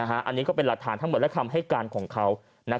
อันนี้ก็เป็นหลักฐานทั้งหมดและคำให้การของเขา